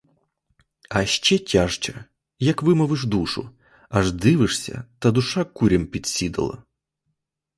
А ще тяжче, як вимовиш душу, аж дивишся: та душа курям під сідало!